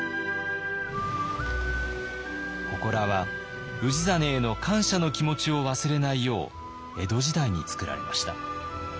ほこらは氏真への感謝の気持ちを忘れないよう江戸時代に作られました。